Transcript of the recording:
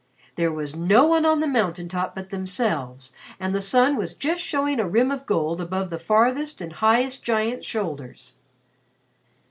There was no one on the mountain top but themselves, and the sun was just showing a rim of gold above the farthest and highest giant's shoulders.